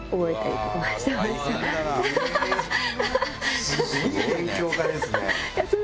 すごく勉強家ですね。